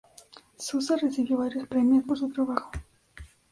Zuse recibió varios premios por su trabajo.